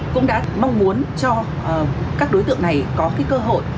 cũng đã mong muốn cho các đối tượng này có cơ hội